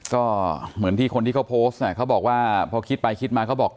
ก็เหมือนพี่เค้าโพสต์เค้าบอกว่าพอคิดไปคิดมา